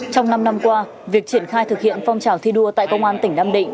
trong năm năm qua việc triển khai thực hiện phong trào thi đua tại công an tỉnh nam định